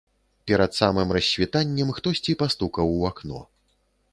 Перад самым рассвітаннем хтосьці пастукаў у акно.